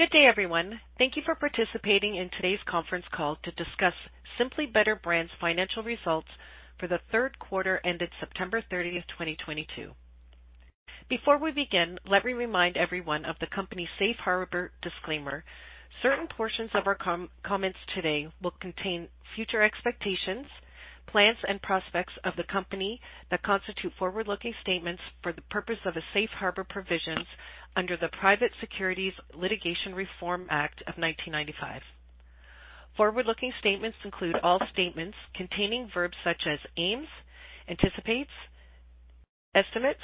Good day, everyone. Thank you for participating in today's conference call to discuss Simply Better Brands' financial results for the third quarter ended September 30th, 2022. Before we begin, let me remind everyone of the company's safe harbor disclaimer. Certain portions of our comments today will contain future expectations, plans, and prospects of the company that constitute forward-looking statements for the purpose of the safe harbor provisions under the Private Securities Litigation Reform Act of 1995. Forward-looking statements include all statements containing verbs such as aims, anticipates, estimates,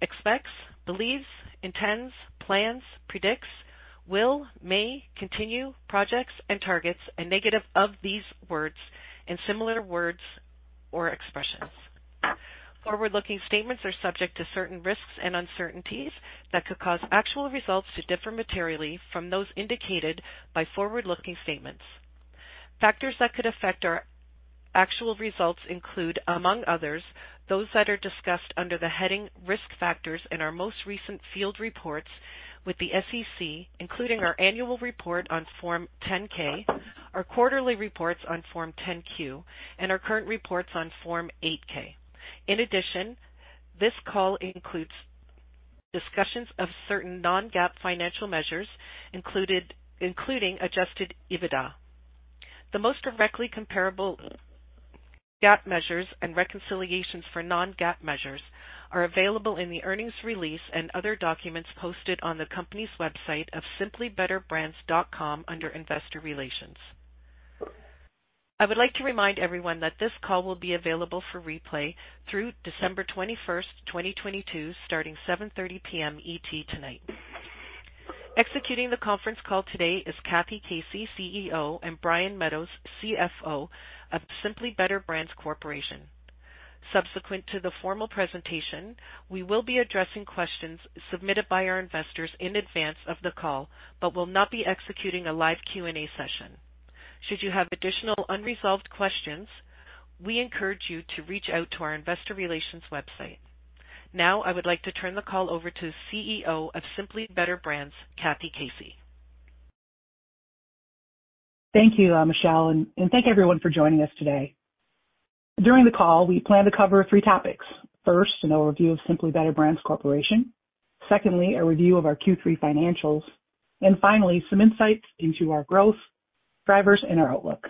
expects, believes, intends, plans, predicts, will, may, continue, projects and targets, and negative of these words and similar words or expressions. Forward-looking statements are subject to certain risks and uncertainties that could cause actual results to differ materially from those indicated by forward-looking statements. Factors that could affect our actual results include, among others, those that are discussed under the heading Risk Factors in our most recent filed reports with the SEC, including our annual report on Form 10-K, our quarterly reports on Form 10-Q, and our current reports on Form 8-K. In addition, this call includes discussions of certain non-GAAP financial measures, including Adjusted EBITDA. The most directly comparable GAAP measures and reconciliations for non-GAAP measures are available in the earnings release and other documents posted on the company's website of simplybetterbrands.com under Investor Relations. I would like to remind everyone that this call will be available for replay through December 21st, 2022, starting 7:30 P.M. ET tonight. Executing the conference call today is Kathy Casey, CEO, and Brian Meadows, CFO of Simply Better Brands Corporation. Subsequent to the formal presentation, we will be addressing questions submitted by our investors in advance of the call, but will not be executing a live Q&A session. Should you have additional unresolved questions, we encourage you to reach out to our investor relations website. I would like to turn the call over to CEO of Simply Better Brands, Kathy Casey. Thank you, Michelle, and thank everyone for joining us today. During the call, we plan to cover three topics. First, an overview of Simply Better Brands Corporation. Secondly, a review of our Q3 financials, and finally, some insights into our growth drivers and our outlook.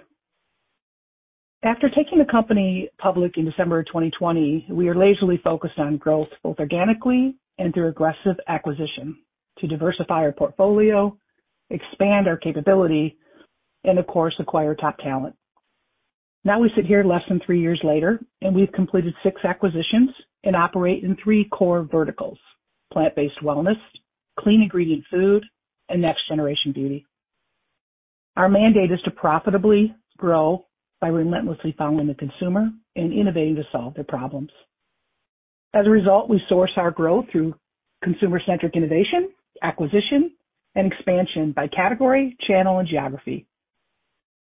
After taking the company public in December of 2020, we are laser-focused on growth both organically and through aggressive acquisition to diversify our portfolio, expand our capability and, of course, acquire top talent. We sit here less than three years later, and we've completed six acquisitions and operate in three core verticals: plant-based wellness, clean ingredient food, and next-generation beauty. Our mandate is to profitably grow by relentlessly following the consumer and innovating to solve their problems. As a result, we source our growth through consumer-centric innovation, acquisition, and expansion by category, channel, and geography.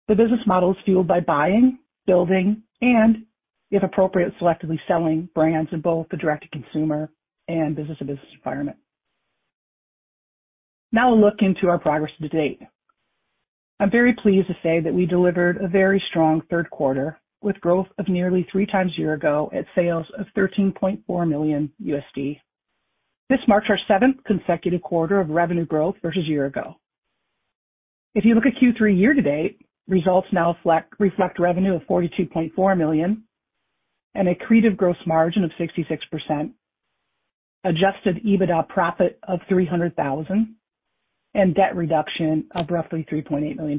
The business model is fueled by buying, building, and, if appropriate, selectively selling brands in both the direct-to-consumer and business-to-business environment. A look into our progress to date. I'm very pleased to say that we delivered a very strong third quarter, with growth of nearly 3x year-ago at sales of $13.4 million. This marks our seventh consecutive quarter of revenue growth versus year-ago. If you look at Q3 year-to-date, results now reflect revenue of $42.4 million and accretive gross margin of 66%, Adjusted EBITDA profit of $300,000, and debt reduction of roughly $3.8 million.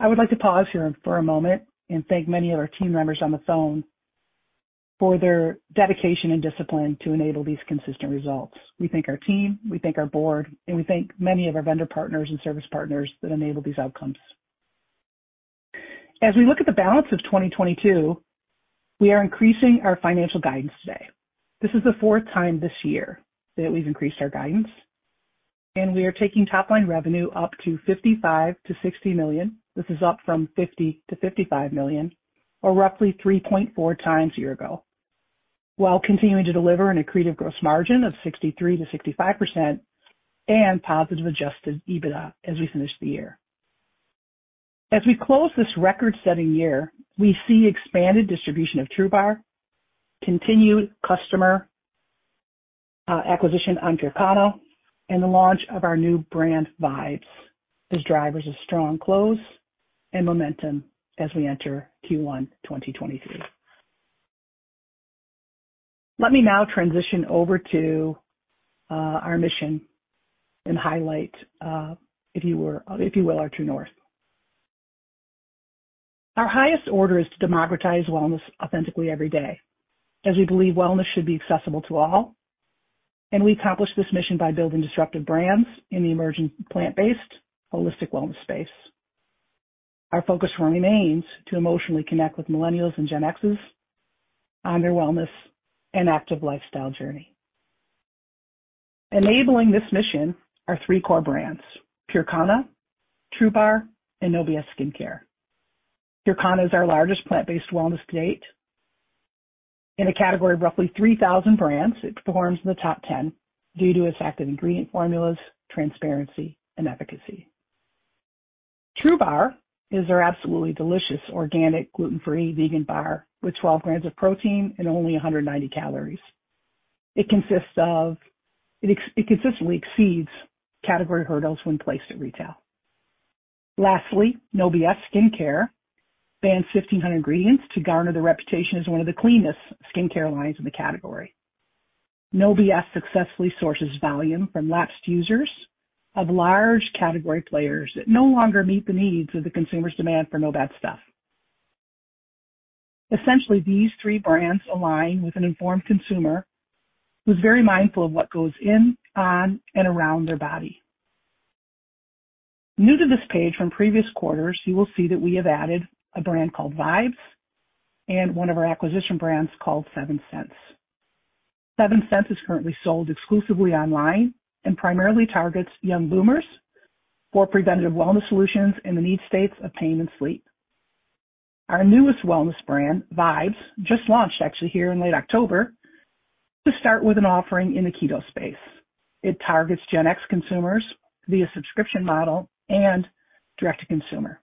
I would like to pause here for a moment and thank many of our team members on the phone for their dedication and discipline to enable these consistent results. We thank our team, we thank our board, and we thank many of our vendor partners and service partners that enable these outcomes. As we look at the balance of 2022, we are increasing our financial guidance today. This is the 4th time this year that we've increased our guidance, and we are taking top line revenue up to $55 million-$60 million. This is up from $50 million-$55 million, or roughly 3.4x year ago, while continuing to deliver an accretive gross margin of 63%-65% and positive Adjusted EBITDA as we finish the year. As we close this record-setting year, we see expanded distribution of TRUBAR, continued customer acquisition on PureKana, and the launch of our new brand Vibes as drivers of strong close and momentum as we enter Q1 2023. Let me now transition over to our mission and highlight our true north. Our highest order is to democratize wellness authentically every day, as we believe wellness should be accessible to all. We accomplish this mission by building disruptive brands in the emerging plant-based holistic wellness space. Our focus remains to emotionally connect with millennials and Gen X on their wellness and active lifestyle journey. Enabling this mission are three core brands: PureKana, TRUBAR, and No B.S. Skincare. PureKana is our largest plant-based wellness to date. In a category of roughly 3,000 brands, it performs in the top 10 due to its active ingredient formulas, transparency, and efficacy. TRUBAR is our absolutely delicious organic gluten-free vegan bar with 12 grams of protein and only 190 calories. It consists of... It consistently exceeds category hurdles when placed at retail. Lastly, No B.S. Skincare bans 1,500 ingredients to garner the reputation as one of the cleanest skin care lines in the category. No B.S. successfully sources volume from lapsed users of large category players that no longer meet the needs of the consumer's demand for no bad stuff. Essentially, these three brands align with an informed consumer who's very mindful of what goes in, on, and around their body. New to this page from previous quarters, you will see that we have added a brand called Vibes and one of our acquisition brands called Seventh Sense. Seventh Sense is currently sold exclusively online and primarily targets young boomers for preventative wellness solutions in the need states of pain and sleep. Our newest wellness brand, Vibes, just launched actually here in late October to start with an offering in the keto space. It targets Gen X consumers via subscription model and direct-to-consumer.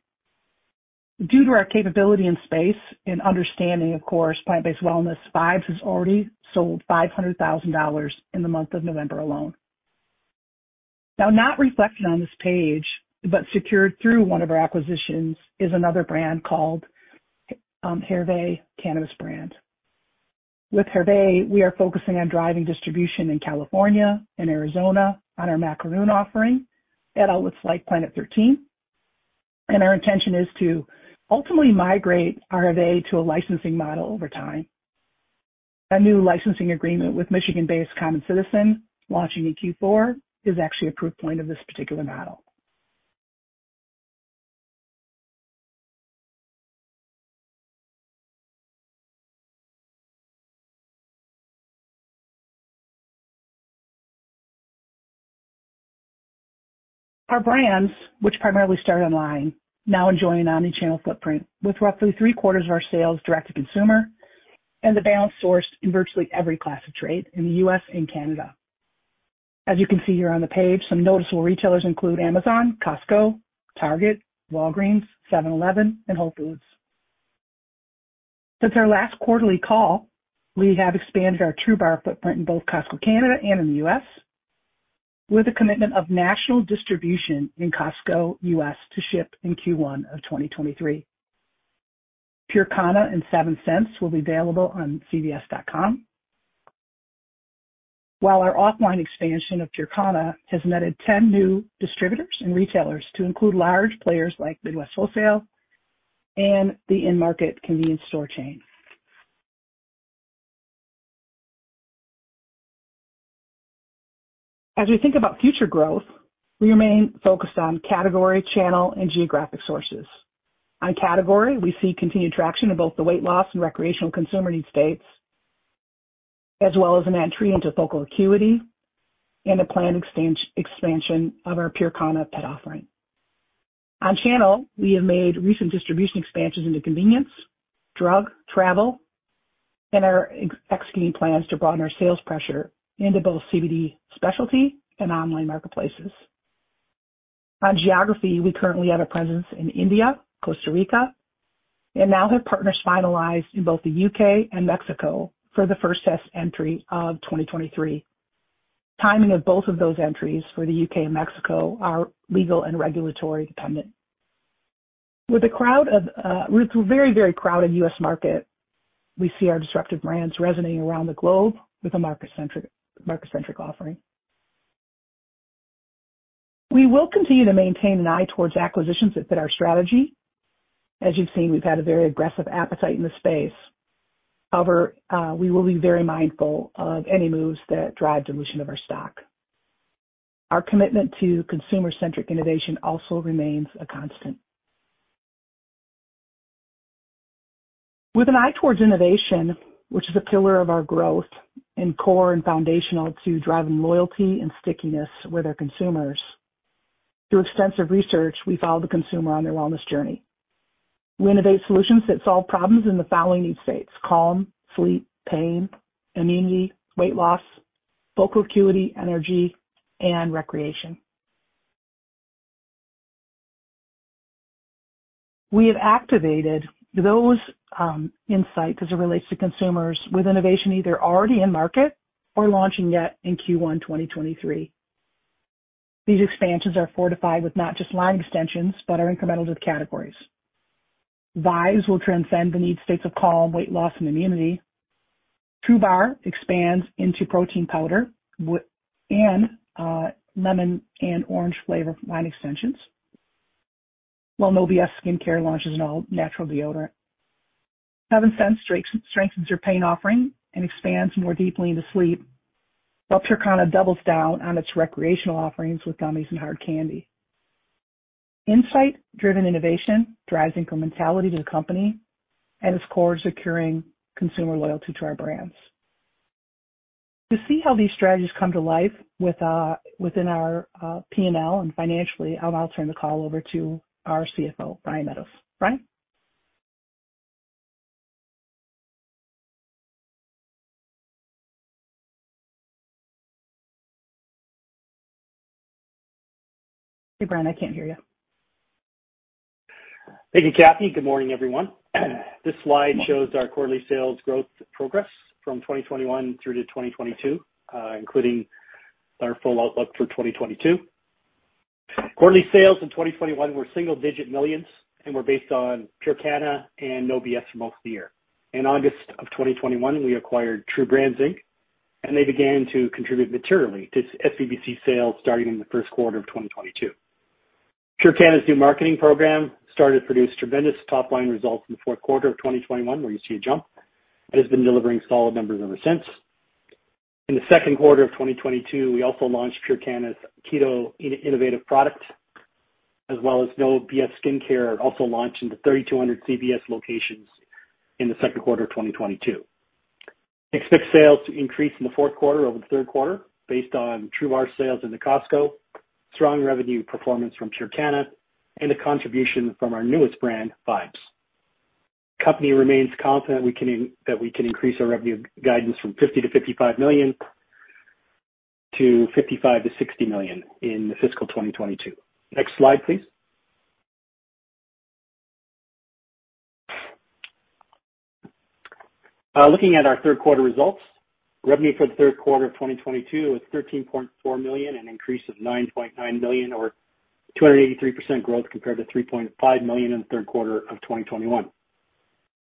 Due to our capability in space and understanding, of course, plant-based wellness, Vibes has already sold $500,000 in the month of November alone. Not reflected on this page, but secured through one of our acquisitions is another brand called Hervé cannabis brand. With Hervé, we are focusing on driving distribution in California and Arizona on our macaron offering at outlets like Planet 13. Our intention is to ultimately migrate Hervé to a licensing model over time. A new licensing agreement with Michigan-based Common Citizen launching in Q4 is actually a proof point of this particular model. Our brands, which primarily start online, now enjoy an omni-channel footprint with roughly three-quarters of our sales direct-to-consumer and the balance sourced in virtually every class of trade in the US and Canada. As you can see here on the page, some noticeable retailers include Amazon, Costco, Target, Walgreens, 7-Eleven, and Whole Foods. Since our last quarterly call, we have expanded our TRUBAR footprint in both Costco Canada and in the US, with a commitment of national distribution in Costco US to ship in Q1 of 2023. PureKana and Seventh Sense will be available on cvs.com. While our offline expansion of PureKana has netted 10 new distributors and retailers to include large players like Midwest Wholesale and the in-market convenience store chain. As we think about future growth, we remain focused on category, channel, and geographic sources. On category, we see continued traction in both the weight loss and recreational consumer need states, as well as an entry into focal acuity and a planned expansion of our PureKana pet offering. Channel, we have made recent distribution expansions into convenience, drug, travel, and are executing plans to broaden our sales pressure into both CBD specialty and online marketplaces. Geography, we currently have a presence in India, Costa Rica, and now have partners finalized in both the UK and Mexico for the first test entry of 2023. Timing of both of those entries for the UK and Mexico are legal and regulatory dependent. With a very crowded US market, we see our disruptive brands resonating around the globe with a market-centric offering. We will continue to maintain an eye towards acquisitions that fit our strategy. As you've seen, we've had a very aggressive appetite in the space. We will be very mindful of any moves that drive dilution of our stock. Our commitment to consumer-centric innovation also remains a constant. With an eye towards innovation, which is a pillar of our growth and core and foundational to driving loyalty and stickiness with our consumers, through extensive research, we follow the consumer on their wellness journey. We innovate solutions that solve problems in the following need states: calm, sleep, pain, immunity, weight loss, focal acuity, energy, and recreation. We have activated those insights as it relates to consumers with innovation either already in market or launching yet in Q1 2023. These expansions are fortified with not just line extensions, but are incremental to the categories. Vibes will transcend the need states of calm, weight loss, and immunity. TRUBAR expands into protein powder and lemon and orange flavor line extensions. While No B.S. Skincare launches an all-natural deodorant. Seventh Sense strengthens your pain offering and expands more deeply into sleep. While PureKana doubles down on its recreational offerings with gummies and hard candy. Insight-driven innovation drives incrementality to the company and is core to securing consumer loyalty to our brands. To see how these strategies come to life within our PNL and financially, I'll now turn the call over to our CFO, Brian Meadows. Brian? Hey, Brian, I can't hear you. Thank you, Kathy. Good morning, everyone. This slide shows our quarterly sales growth progress from 2021 through to 2022, including our full outlook for 2022. Quarterly sales in 2021 were single digit millions and were based on PureKana and No B.S. for most of the year. In August of 2021, we acquired TRU Brands Inc. They began to contribute materially to SBBC sales starting in the first quarter of 2022. PureKana's new marketing program started to produce tremendous top line results in the fourth quarter of 2021, where you see a jump, has been delivering solid numbers ever since. In the second quarter of 2022, we also launched PureKana's Keto innovative product, as well as No B.S. Skincare also launched into 3,200 CVS locations in the second quarter of 2022. Expect sales to increase in the fourth quarter over the third quarter based on TRUBAR sales into Costco, strong revenue performance from PureKana, and the contribution from our newest brand, Vibes. Company remains confident that we can increase our revenue guidance from $50 million-$55 million to $55 million-$60 million in fiscal 2022. Next slide, please. Looking at our third quarter results, revenue for the third quarter of 2022 was $13.4 million, an increase of $9.9 million or 283% growth compared to $3.5 million in the third quarter of 2021.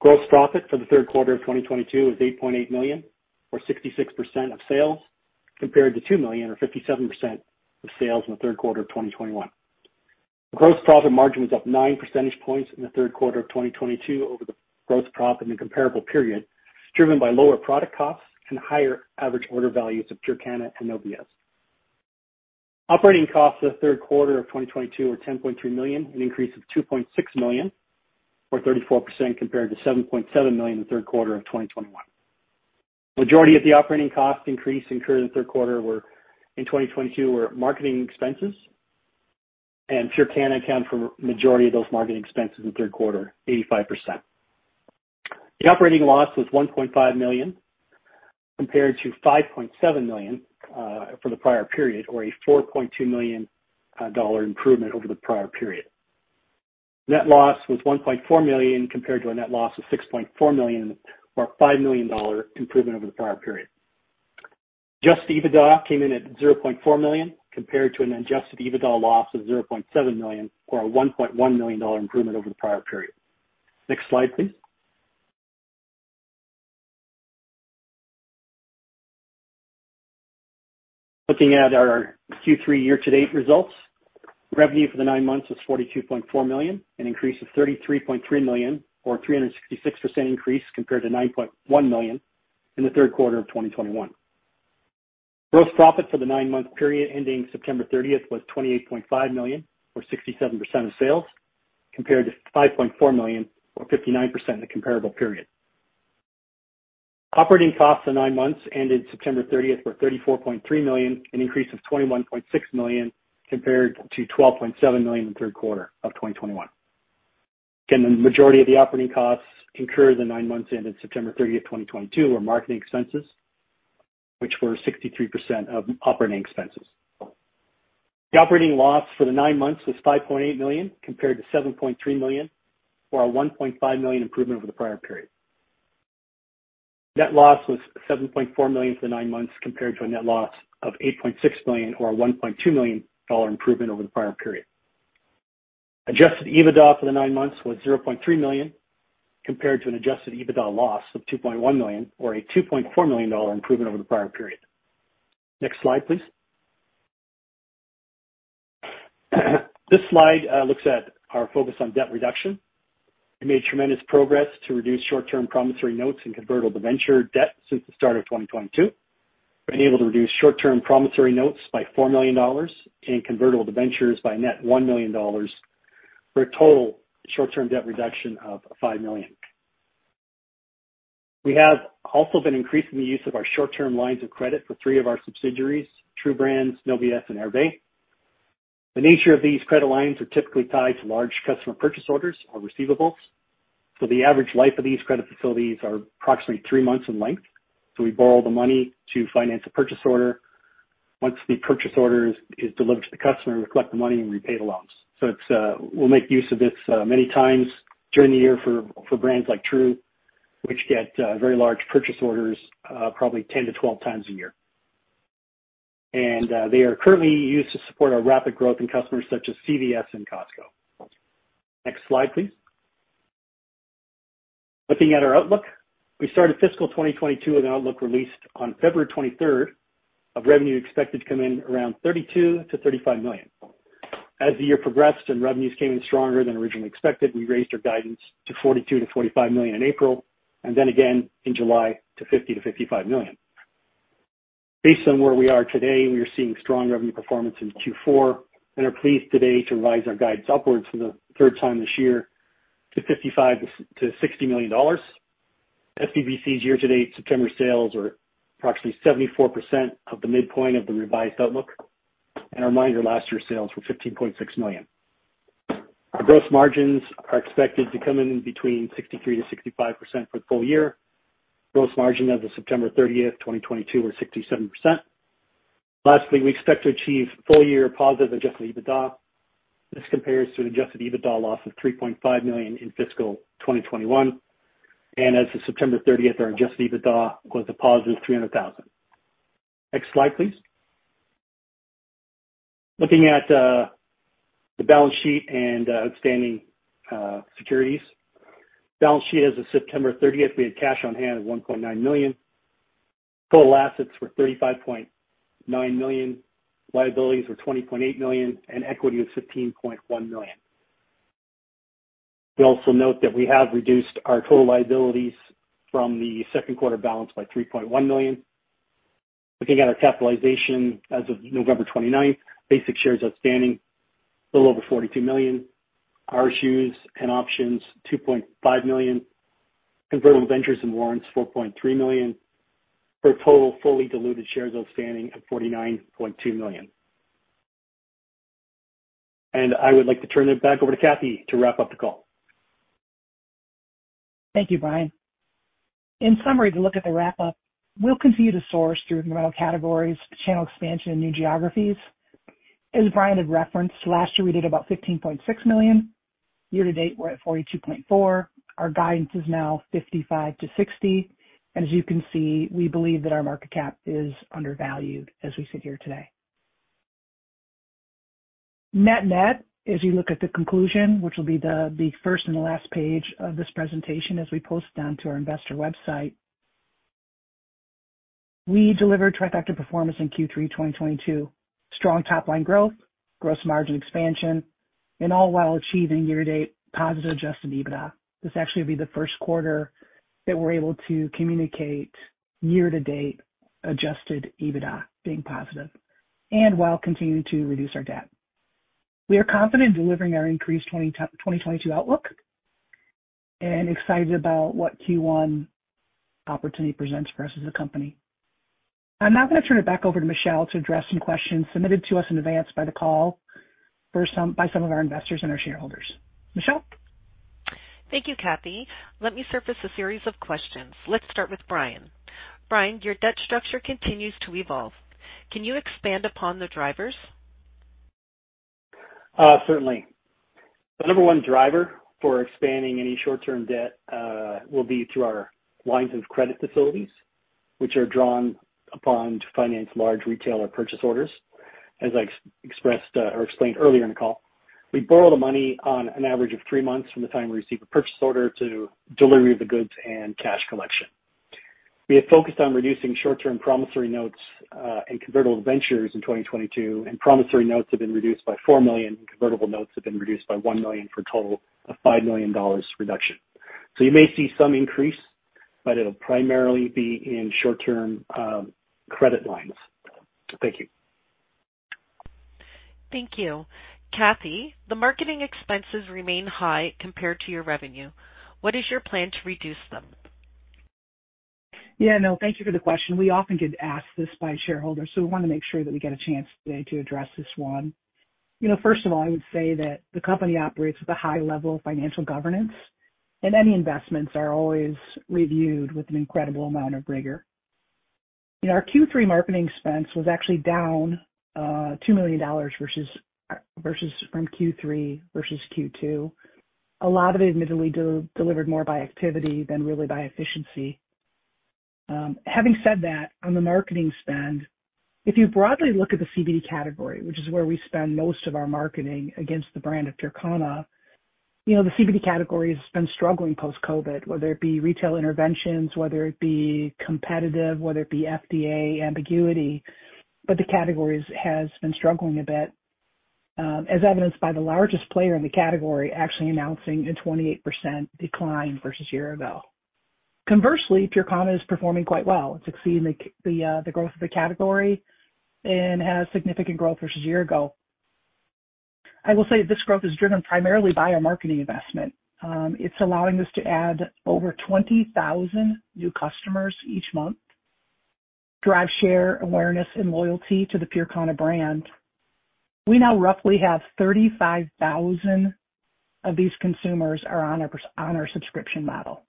Gross profit for the third quarter of 2022 was $8.8 million or 66% of sales, compared to $2 million or 57% of sales in the third quarter of 2021. The gross profit margin was up 9 percentage points in the third quarter of 2022 over the gross profit in the comparable period, driven by lower product costs and higher average order values of PureKana and No B.S. Operating costs for the third quarter of 2022 were $10.3 million, an increase of $2.6 million or 34% compared to $7.7 million in the third quarter of 2021. Majority of the operating cost increase incurred in the third quarter, in 2022, were marketing expenses, and PureKana account for majority of those marketing expenses in the third quarter, 85%. The operating loss was $1.5 million compared to $5.7 million for the prior period or a $4.2 million dollar improvement over the prior period. Net loss was $1.4 million compared to a net loss of $6.4 million or a $5 million improvement over the prior period. Adjusted EBITDA came in at $0.4 million compared to an Adjusted EBITDA loss of $0.7 million or a $1.1 million improvement over the prior period. Next slide, please. Looking at our Q3 year-to-date results. Revenue for the nine months was $42.4 million, an increase of $33.3 million or 366% increase compared to $9.1 million in the third quarter of 2021. Gross profit for the nine-month period ending September 30th was $28.5 million or 67% of sales, compared to $5.4 million or 59% in the comparable period. Operating costs for nine months ended September 30th, were $34.3 million, an increase of $21.6 million compared to $12.7 million in the third quarter of 2021. Again, the majority of the operating costs incurred in the nine months ended September 30th, 2022, were marketing expenses, which were 63% of operating expenses. The operating loss for the nine months was $5.8 million, compared to $7.3 million or a $1.5 million improvement over the prior period. Net loss was $7.4 million for the nine months compared to a net loss of $8.6 million or a $1.2 million dollar improvement over the prior period. Adjusted EBITDA for the nine months was $0.3 million compared to an Adjusted EBITDA loss of $2.1 million or a $2.4 million improvement over the prior period. Next slide, please. This slide looks at our focus on debt reduction. We made tremendous progress to reduce short-term promissory notes and convertible debenture debt since the start of 2022. We've been able to reduce short-term promissory notes by $4 million and convertible debentures by net $1 million, for a total short-term debt reduction of $5 million. We have also been increasing the use of our short-term lines of credit for three of our subsidiaries, TRU Brands, No B.S., and Hervé. The nature of these credit lines are typically tied to large customer purchase orders or receivables, so the average life of these credit facilities are approximately 3 months in length. We borrow the money to finance a purchase order. Once the purchase order is delivered to the customer, we collect the money and repay the loans. It's, we'll make use of this many times during the year for brands like TRU, which get very large purchase orders, probably 10-12x a year. They are currently used to support our rapid growth in customers such as CVS and Costco. Next slide, please. Looking at our outlook, we started fiscal 2022 with an outlook released on February 23rd of revenue expected to come in around $32 million-$35 million. As the year progressed and revenues came in stronger than originally expected, we raised our guidance to $42 million-$45 million in April, and then again in July to $50 million-$55 million. Based on where we are today, we are seeing strong revenue performance in Q4 and are pleased today to raise our guides upwards for the third time this year to $55 million-$60 million. SBBC's year-to-date September sales are approximately 74% of the midpoint of the revised outlook. A reminder, last year's sales were $15.6 million. Our gross margins are expected to come in between 63%-65% for the full year. Gross margin as of September 30, 2022 were 67%. Lastly, we expect to achieve full year positive Adjusted EBITDA. This compares to an Adjusted EBITDA loss of $3.5 million in fiscal 2021. As of September 30, our Adjusted EBITDA goes to positive $300,000. Next slide, please. Looking at the balance sheet and outstanding securities. Balance sheet as of September 30th, we had cash on hand of $1.9 million. Total assets were $35.9 million. Liabilities were $20.8 million, and equity of $15.1 million. We also note that we have reduced our total liabilities from the second quarter balance by $3.1 million. Looking at our capitalization as of November 29th, basic shares outstanding, a little over 42 million. Our issues and options, 2.5 million. Convertible ventures and warrants, 4.3 million, for a total fully diluted shares outstanding of 49.2 million. I would like to turn it back over to Kathy to wrap up the call. Thank you, Brian. In summary, to look at the wrap up, we'll continue to source through environmental categories, channel expansion in new geographies. As Brian had referenced, last year we did about $15.6 million. Year-to-date, we're at $42.4 million. Our guidance is now $55 million-$60 million. As you can see, we believe that our market cap is undervalued as we sit here today. Net, net, as you look at the conclusion, which will be the first and the last page of this presentation as we post it onto our investor website. We delivered trifecta performance in Q3, 2022. Strong top line growth, gross margin expansion, all while achieving year-to-date positive Adjusted EBITDA. This actually will be the first quarter that we're able to communicate year-to-date Adjusted EBITDA being positive. While continuing to reduce our debt. We are confident in delivering our increased 2022 outlook and excited about what Q1 opportunity presents for us as a company. I'm now going to turn it back over to Michelle to address some questions submitted to us in advance by some of our investors and our shareholders. Michelle? Thank you, Kathy. Let me surface a series of questions. Let's start with Brian. Brian, your debt structure continues to evolve. Can you expand upon the drivers? Certainly. The number 1 driver for expanding any short-term debt will be through our lines of credit facilities, which are drawn upon to finance large retailer purchase orders. As I expressed or explained earlier in the call, we borrow the money on an average of 3 months from the time we receive a purchase order to delivery of the goods and cash collection. We have focused on reducing short-term promissory notes and convertible ventures in 2022, and promissory notes have been reduced by $4 million, convertible notes have been reduced by $1 million for a total of $5 million reduction. You may see some increase, but it'll primarily be in short-term credit lines. Thank you. Thank you. Kathy, the marketing expenses remain high compared to your revenue. What is your plan to reduce them? Yeah, no, thank you for the question. We often get asked this by shareholders, so we wanna make sure that we get a chance today to address this one. You know, first of all, I would say that the company operates with a high level of financial governance, and any investments are always reviewed with an incredible amount of rigor. You know, our Q3 marketing expense was actually down $2 million versus from Q3 versus Q2. A lot of it admittedly de-delivered more by activity than really by efficiency. Having said that, on the marketing spend, if you broadly look at the CBD category, which is where we spend most of our marketing against the brand of PureKana. You know, the CBD category has been struggling post-COVID, whether it be retail interventions, whether it be competitive, whether it be FDA ambiguity. The category has been struggling a bit, as evidenced by the largest player in the category actually announcing a 28% decline versus year ago. Conversely, PureKana is performing quite well. It's exceeding the growth of the category and has significant growth versus year ago. I will say this growth is driven primarily by our marketing investment. It's allowing us to add over 20,000 new customers each month, drive share awareness and loyalty to the PureKana brand. We now roughly have 35,000 of these consumers are on our subscription model.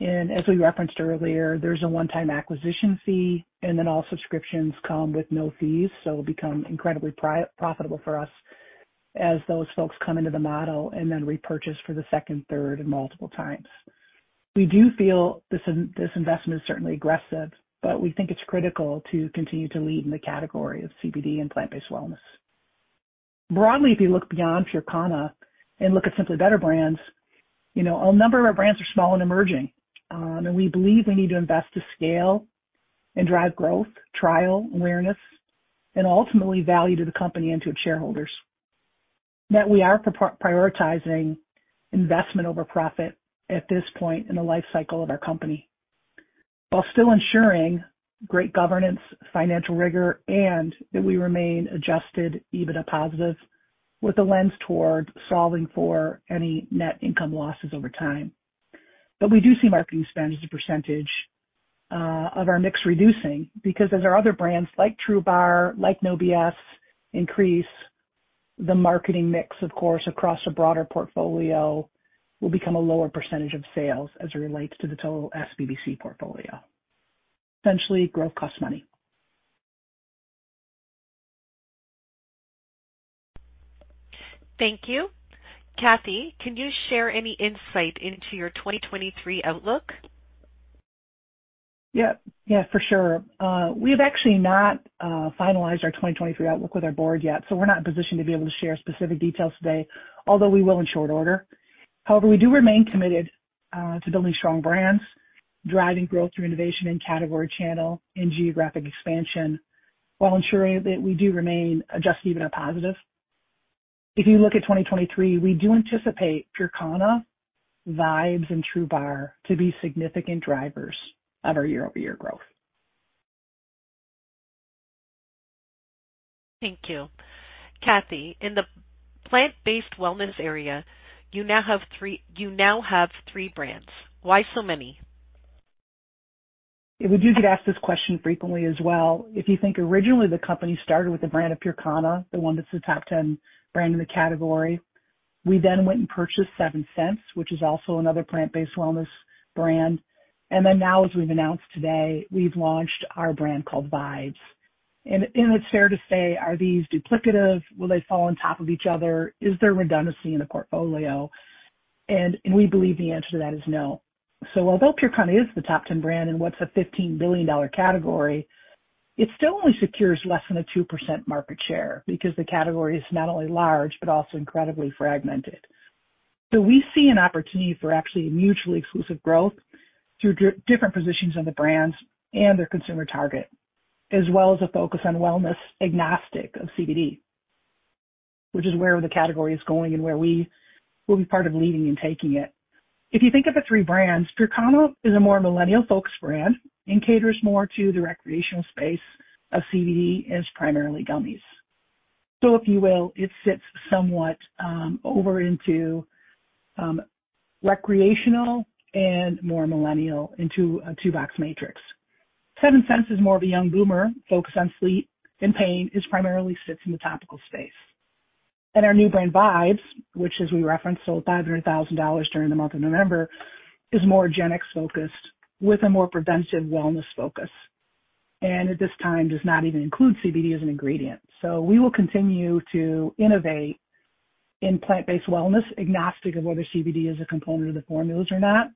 As we referenced earlier, there's a one-time acquisition fee and then all subscriptions come with no fees. It'll become incredibly profitable for us as those folks come into the model and then repurchase for the second, third, and multiple times. We do feel this investment is certainly aggressive, but we think it's critical to continue to lead in the category of CBD and plant-based wellness. Broadly, if you look beyond PureKana and look at Simply Better Brands, you know, a number of our brands are small and emerging. We believe we need to invest to scale and drive growth, trial, awareness, and ultimately value to the company and to its shareholders. That we are prioritizing investment over profit at this point in the life cycle of our company. While still ensuring great governance, financial rigor, and that we remain Adjusted EBITDA positive with a lens toward solving for any net income losses over time. We do see marketing spend as a percentage of our mix reducing because as our other brands like TRUBAR, like No B.S. increase, the marketing mix, of course, across a broader portfolio will become a lower % of sales as it relates to the total SBBC portfolio. Essentially, growth costs money. Thank you. Kathy, can you share any insight into your 2023 outlook? Yeah. Yeah, for sure. We have actually not finalized our 2023 outlook with our board yet, so we're not in position to be able to share specific details today, although we will in short order. However, we do remain committed to building strong brands, driving growth through innovation in category channel and geographic expansion, while ensuring that we do remain Adjusted EBITDA positive. If you look at 2023, we do anticipate PureKana, Vibes, and TRUBAR to be significant drivers of our year-over-year growth. Thank you. Kathy, in the plant-based wellness area, you now have three brands. Why so many? We do get asked this question frequently as well. If you think originally the company started with the brand of PureKana, the one that's the top 10 brand in the category. We went and purchased Seventh Sense, which is also another plant-based wellness brand. Now, as we've announced today, we've launched our brand called Vibes. It's fair to say, are these duplicative? Will they fall on top of each other? Is there redundancy in the portfolio? We believe the answer to that is no. Although PureKana is the top 10 brand in what's a $15 billion category, it still only secures less than a 2% market share because the category is not only large, but also incredibly fragmented. We see an opportunity for actually mutually exclusive growth through different positions of the brands and their consumer target, as well as a focus on wellness, agnostic of CBD, which is where the category is going and where we will be part of leading and taking it. If you think of the three brands, PureKana is a more millennial-focused brand and caters more to the recreational space of CBD as primarily gummies. If you will, it sits somewhat over into recreational and more millennial into a two-box matrix. Seventh Sense is more of a young boomer, focused on sleep and pain. It primarily sits in the topical space. Our new brand, Vibes, which as we referenced sold $500,000 during the month of November, is more Gen X focused with a more preventive wellness focus. At this time does not even include CBD as an ingredient. We will continue to innovate in plant-based wellness, agnostic of whether CBD is a component of the formulas or not.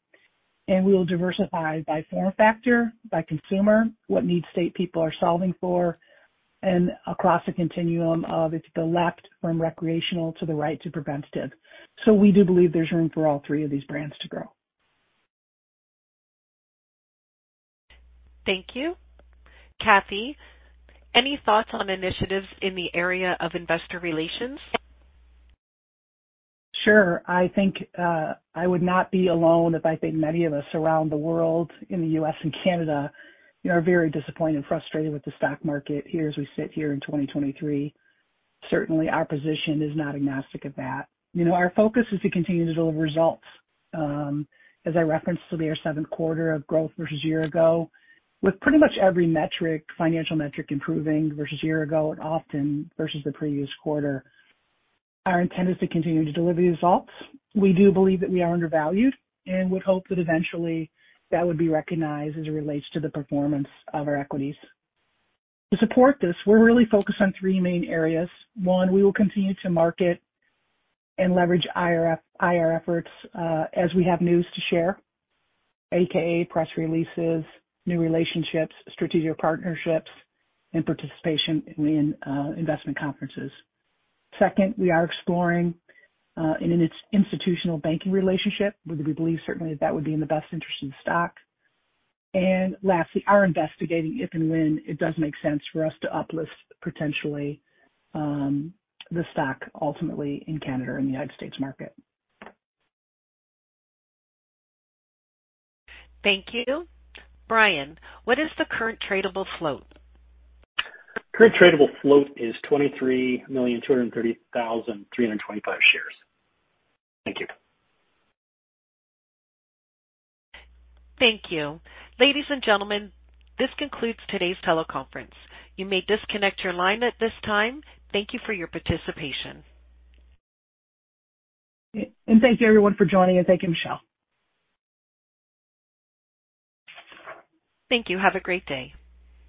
We will diversify by form factor, by consumer, what need state people are solving for, and across a continuum of it's the left from recreational to the right to preventative. We do believe there's room for all three of these brands to grow. Thank you. Kathy, any thoughts on initiatives in the area of investor relations? Sure. I think, I would not be alone if I think many of us around the world, in the U.S. and Canada, you know, are very disappointed and frustrated with the stock market here as we sit here in 2023. Certainly, our position is not agnostic of that. You know, our focus is to continue to deliver results. As I referenced today, our seventh quarter of growth versus year-ago, with pretty much every metric, financial metric improving versus year-ago and often versus the previous quarter. Our intent is to continue to deliver the results. We do believe that we are undervalued and would hope that eventually that would be recognized as it relates to the performance of our equities. To support this, we're really focused on three main areas. One, we will continue to market and leverage IR efforts as we have news to share, AKA press releases, new relationships, strategic partnerships and participation in investment conferences. Second, we are exploring an institutional banking relationship, where we believe certainly that would be in the best interest of the stock. Lastly, are investigating if and when it does make sense for us to uplist potentially the stock ultimately in Canada and the United States market. Thank you. Brian, what is the current tradable float? Current tradable float is 23,230,325 shares. Thank you. Thank you. Ladies and gentlemen, this concludes today's teleconference. You may disconnect your line at this time. Thank you for your participation. Thank you everyone for joining, and thank you, Michelle. Thank you. Have a great day.